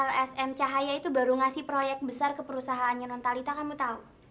lsm cahaya itu baru ngasih proyek besar ke perusahaannya nontalita kamu tahu